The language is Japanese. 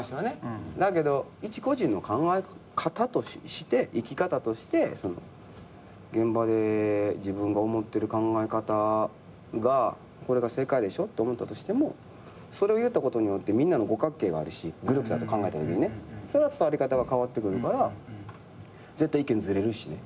だけど一個人の考え方として生き方として現場で自分が思ってる考え方がこれが正解でしょって思ったとしてもそれを言ったことによってみんなの五角形があるしグループだと考えたときにそれは伝わり方が変わってくるから絶対意見ずれるしね。